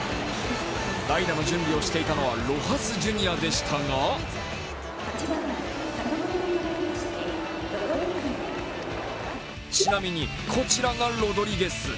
代打の準備をしていたのはロハス・ジュニアでしたがちなみにこちらがロドリゲス。